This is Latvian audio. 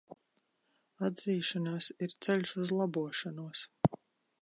Atzīšanās ir ceļš uz labošanos.